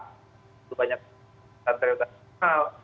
itu banyak tantra tantra